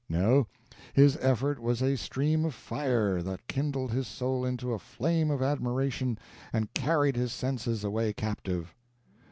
No, his effort was a stream of fire, that kindled his soul into a flame of admiration, and carried his senses away captive.